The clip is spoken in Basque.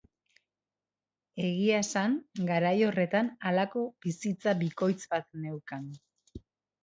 Egia esan garai horretan halako bizitza bikoitz bat neukan.